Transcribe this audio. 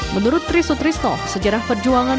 menurut trisut trisno sejarah perjuangan